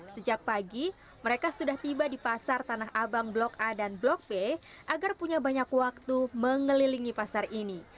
sejak pagi mereka sudah tiba di pasar tanah abang blok a dan blok b agar punya banyak waktu mengelilingi pasar ini